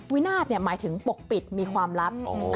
วินาศหมายถึงปกปิดมีความลับ